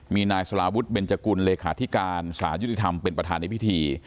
มีนายสลาวุฒิเบนจกุลเลขาธิการสารยุติธรรมเป็นประธานในพิธี